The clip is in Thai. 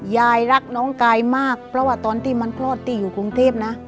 ยายรักน้องกายมากเพราะว่าตอนที่มันคลอดที่อยู่กรุงเทพนะ